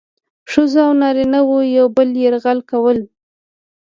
ښځو او نارینه وو یو بل یرغمل کول.